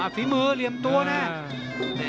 ฝีมือเรียบตัวนะ